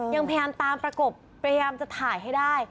ยังพยายามตามประกบพยายามจะถ่ายให้ได้